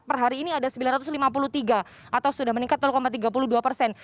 per hari ini ada sembilan ratus lima puluh tiga atau sudah meningkat tiga puluh dua persen